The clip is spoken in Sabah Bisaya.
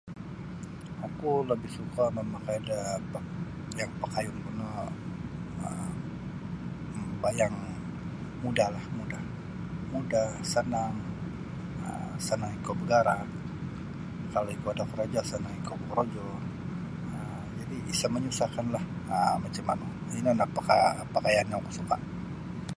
Oku lebih suka' mamakai da pak yang pakayunku no um bayang mudahlah mudah mudah sanang um sanang ikou bagarak kalau ikou ada korojo sanang ikou bokorojo um jadi' isa' manyusahkanlah um macam manu ino no paka pakaian yang oku suka'.